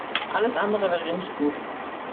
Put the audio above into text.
Alles andere wäre nicht gut.